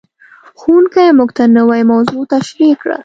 ښوونکی موږ ته نوې موضوع تشریح کړه.